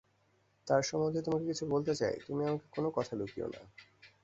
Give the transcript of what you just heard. তাঁর সম্বন্ধে তোমাকে কিছু বলতে চাই, তুমি আমাকে কোনো কথা লুকিয়ো না।